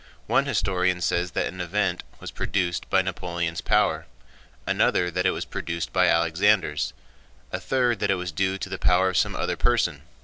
One historian says that an event was produced by Napoleon's power, another that it was produced by Alexander's, a third that it was due to the power of some other person.